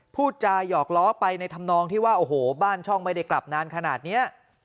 พูดจาหยอกล้อไปในธรรมนองที่ว่าโอ้โหบ้านช่องไม่ได้กลับนานขนาดนี้